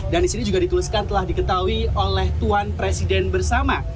dan di sini juga dituliskan telah diketahui oleh tuan presiden bersama